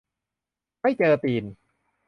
ไม่เจอตีน